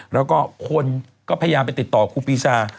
แล้วก็คนก็พยายามไปติดต่อครูปีชา